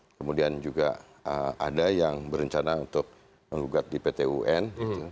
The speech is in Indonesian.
kemudian juga ada yang berencana untuk menggugat di pt un